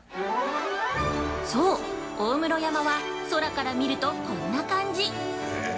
◆そう、大室山は空から見るとこんな感じ！